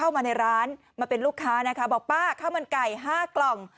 มาในร้านมาเป็นลูกค้านะคะบอกป้าข้าวมันไก่๕กล่อง